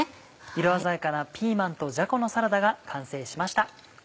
色鮮やかなピーマンとじゃこのサラダが完成しました。